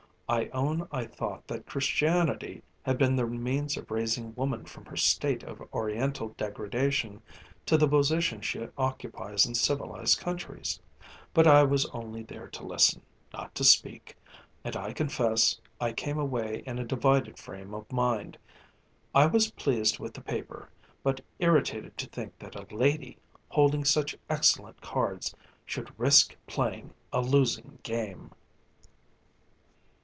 I own I thought that Christianity had been the means of raising woman from her state of Oriental degradation to the position she occupies in civilized countries. But I was only there to listen, not to speak; and I confess I came away in a divided frame of mind. I was pleased with the paper, but irritated to think that a lady, holding such excellent cards, should risk playing a losing game.